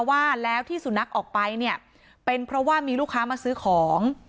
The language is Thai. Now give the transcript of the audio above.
ว่าแล้วที่สุนัขออกไปเนี่ยเป็นเพราะว่ามีลูกค้ามาซื้อของ